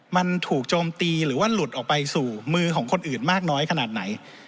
มันถูกโจมตีหรือว่าหลุดออกไปสู่มือของคนอื่นมากน้อยขนาดไหน